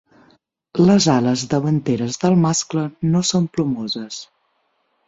Les ales davanteres del mascle no són plomoses.